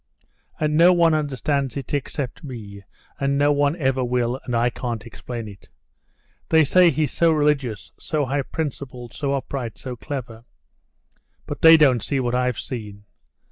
And no one understands it except me, and no one ever will; and I can't explain it. They say he's so religious, so high principled, so upright, so clever; but they don't see what I've seen.